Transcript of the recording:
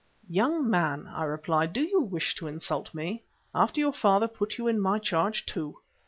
"Young man," I replied, "do you wish to insult me? After your father put you in my charge, too!